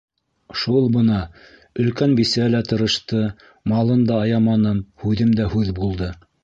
Шул бына, өлкән бисә лә тырышты, малын да аяманым, һүҙем дә һүҙ булды.